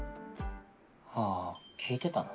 あぁ聞いてたの？